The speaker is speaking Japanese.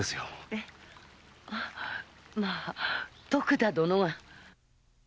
えっまあ徳田殿が。